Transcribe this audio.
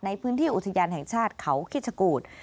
ในพื้นที่อุทยานแห่งชาติเขาคิดชะกูธ